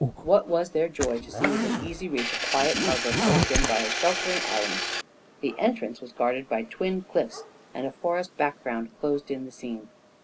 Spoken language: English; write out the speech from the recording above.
What was their joy to see within easy reach a quiet harbor closed in by a sheltering island. The entrance was guarded by twin cliffs, and a forest background closed in the scene.